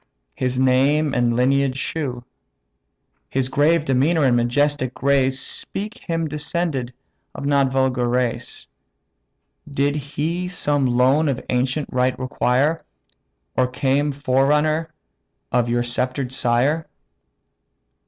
his name and lineage shew. His grave demeanour and majestic grace Speak him descended of no vulgar race: Did he some loan of ancient right require, Or came forerunner of your sceptr'd sire?"